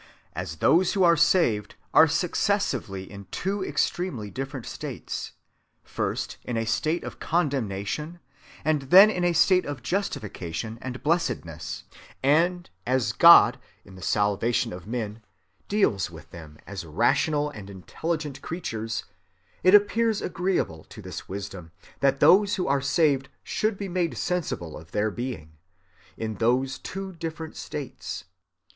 As those who are saved are successively in two extremely different states—first in a state of condemnation and then in a state of justification and blessedness—and as God, in the salvation of men, deals with them as rational and intelligent creatures, it appears agreeable to this wisdom, that those who are saved should be made sensible of their Being, in those two different states.